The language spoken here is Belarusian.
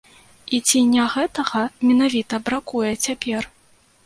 І ці не гэтага менавіта бракуе цяпер?